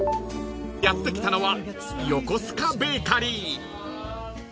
［やって来たのは］